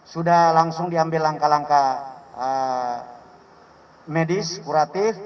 sudah langsung diambil langkah langkah medis kuratif